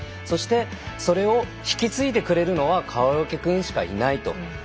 そしてそれを引き継いでくれるのは川除君しかいないと。